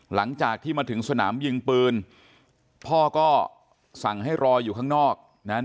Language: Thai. หลังจากที่มาถึงสนามยิงปืนพ่อก็สั่งให้รออยู่ข้างนอกนะฮะ